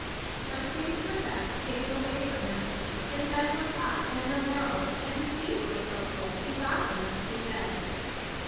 But things were fast getting away from him. His head was hot and in a whirl, and his feet were so cold he thought they must be dead.